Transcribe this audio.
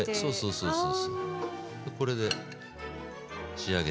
そうそう。